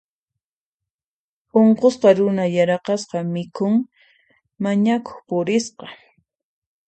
Unqusqa runa yaraqasqa mikhuy mañakuq purisqa.